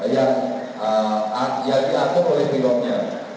yang diatur oleh pilotnya